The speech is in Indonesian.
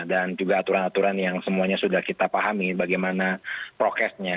dan juga aturan aturan yang semuanya sudah kita pahami bagaimana prokesnya